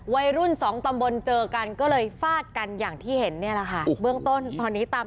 วัยรุ่น๒ตำบลเจอกันก็เลยฝาดกันอย่างที่เห็นเนี่ยแหละครับ